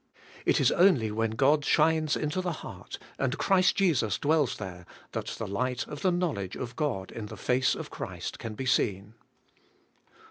It is only when God shines into the heart, and Christ Jesus dwells there, that the light of the knowledge of God in the face of Christ can be seen.